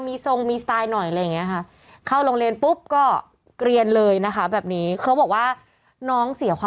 มีทรงมีสไตล์หน่อยอะไรอย่างเงี้ยค่ะ